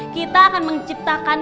kita akan menciptakan